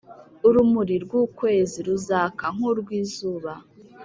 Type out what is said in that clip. urumuri rw’ukwezi ruzaka nk’urw’izuba,